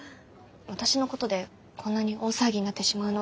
私のことでこんなに大騒ぎになってしまうのは。